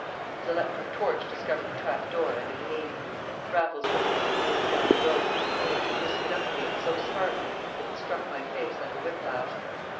His electric torch discovered the trapdoor at a gleam. Raffles opened it and let down the rope, only to whisk it up again so smartly that it struck my face like a whiplash.